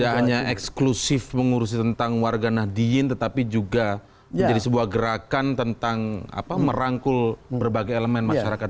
jadi tidak hanya eksklusif mengurusi warganah diin tetapi juga menjadi sebuah gerakan tentang merangkul berbagai elemen masyarakat diin